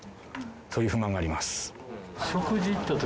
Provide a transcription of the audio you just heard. そういう不満があります。